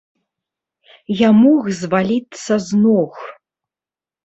Я мог зваліцца з ног.